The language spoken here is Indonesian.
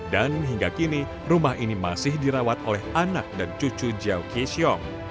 dan hingga kini rumah ini masih dirawat oleh anak dan cucu jauh kisyong